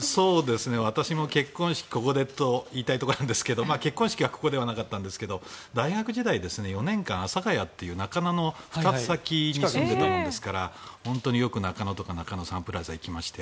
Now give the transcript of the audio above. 私も結婚式、ここでと言いたいところなんですが結婚式はここではなかったんですが大学時代４年間、阿佐谷という中野の２つ先に住んでいたものですから本当によく中野とか中野サンプラザに行きまして。